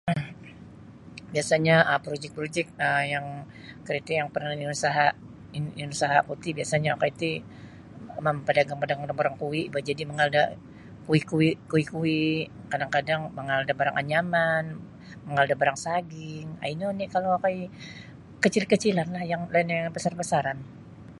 um Biasa'nyo um projik-projik um yang kuro iti yang parnah inusaha'ku inusaha'ku ti biasa'nyo okoi ti mampadagang-mampadagang da barang kuyi'-kuyi' boh jadi' manggal da kuyi'-kuyi kuyi'-kuyi' kadang-kadang mangaal da barang anyaman mangaal da barang saging um ino oni' kalau okoi kecil-kecilanlah yang lain nio besar-besaran.